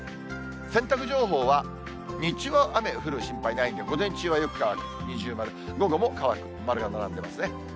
洗濯情報は、日中は雨降る心配ないんで、午前中はよく乾く、二重丸、午後も乾く、丸が並んでますね。